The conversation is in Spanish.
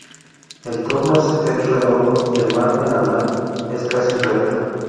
El torno es redondo y el margen anal es casi recto.